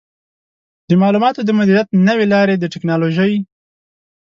د معلوماتو د مدیریت نوې لارې د ټکنالوژۍ